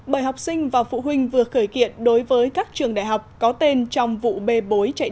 bởi học sinh và phụ huynh vừa khởi kiện đối với các trường đại học có tên trong vụ bê bối chạy